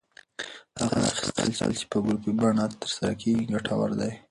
هغه ساه اخیستل چې په ګروپي بڼه ترسره کېږي، ګټور دی.